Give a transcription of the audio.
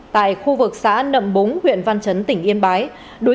tại khu vực xã nậm búng huyện văn chấn tỉnh yên bái